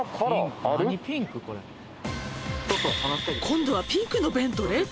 「今度はピンクのベントレー？